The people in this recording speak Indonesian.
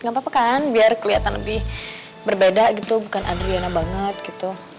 gapapa kan biar kelihatan lebih berbeda gitu bukan adriana banget gitu